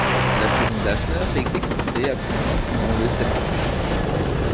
La saison d'Hafner est écourtée après un incident le septembre.